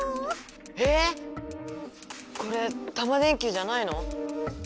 えっ⁉これタマ電Ｑじゃないの？